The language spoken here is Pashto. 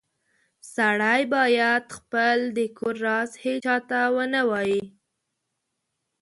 سړی باید خپل د کور راز هیچاته و نه وایې